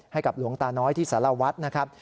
ให้กับหลวงตาน้อยที่สารวัฒน์นะครับ